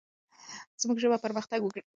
زموږ ژبه پرمختګ وکړي.